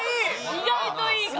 意外といいかも。